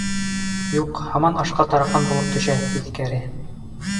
Юҡ, һаман ашҡа тараҡан булып төшә, тиҫкәре!